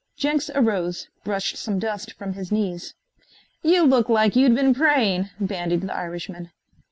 Jenks arose, brushed some dust from his knees. "You look like you'd been praying," bandied the Irishman.